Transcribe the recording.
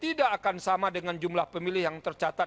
tidak akan sama dengan jumlah pemilih yang tercatat